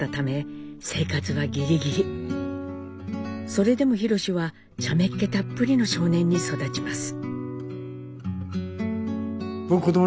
それでも弘史はちゃめっ気たっぷりの少年に育ちます。